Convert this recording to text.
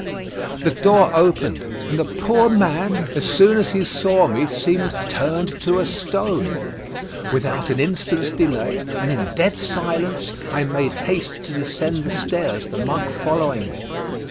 The door opened; and the poor man as soon as he saw me seemed turned to a stone. Without an instant's delay and in dead silence, I made haste to descend the stairs, the monk following me.